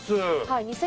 はい。